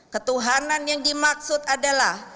ketuhanan yang dimaksud adalah